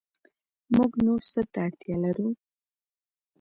موږ نور څه ته اړتیا لرو